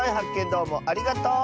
どうもありがとう！